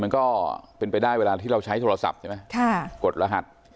แล้วตอนที่พี่ตื่นหาโทรศัพท์วางที่เดิมไหม